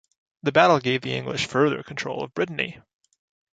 The battle gave the English further control of Brittany.